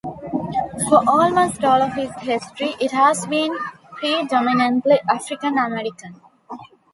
For almost all of its history, it has been predominantly African-American.